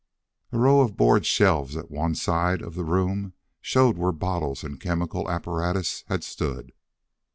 A row of board shelves at one side of the room showed where bottles and chemical apparatus had stood.